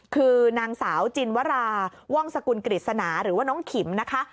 คือนางสาวจินวราว่องสกุลกฤษณาหรือว่าน้องขิมนะคะ